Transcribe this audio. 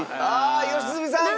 良純さん！